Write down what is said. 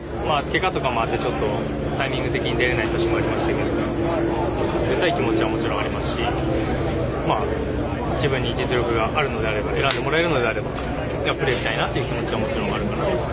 けがとかもあってちょっと、タイミング的に出れない年もありましたけど出たい気持ちはもちろんありますし自分に実力があるのであれば選んでもらえるのであればやっぱり打ちたいなって気持ちはもちろんあるので。